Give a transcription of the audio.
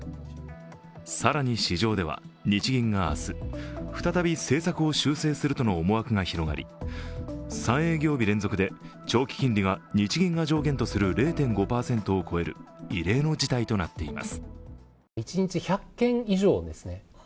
更に市場では、日銀が明日再び政策を修正するとの思惑が広がり３営業日連続で長期金利が日銀が上限とする０．５％を超える異例の事態となっています。